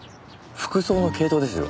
服装の系統ですよ。